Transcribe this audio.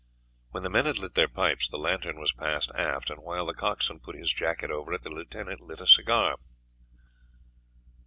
When the men had lit their pipes the lantern was passed aft, and while the coxswain put his jacket over it, the lieutenant lit a cigar.